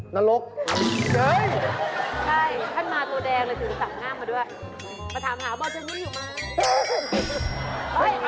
นี่นอนเนทเดาได้อย่างไรนะค่ะ